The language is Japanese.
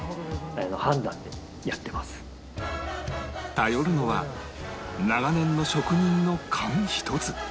頼るのは長年の職人の勘一つ